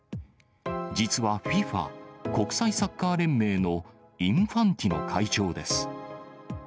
実はＦＩＦＡ・国際サッカー連盟のインファンティノ会長です。